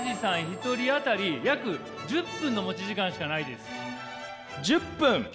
一人当たり約１０分の持ち時間しかないです。